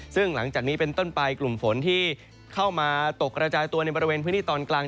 ซึ่งหลังจากนี้เป็นต้นไปกลุ่มฝนที่เข้ามาตกกระจายตัวในบริเวณพื้นที่ตอนกลาง